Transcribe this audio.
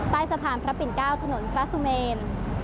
ใต้สะพานพระปิ่น๙ถนนพระสุเมน